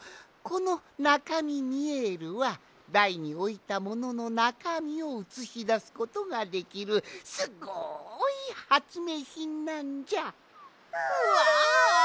このナカミミエルはだいにおいたもののなかみをうつしだすことができるすごいはつめいひんなんじゃ。わ！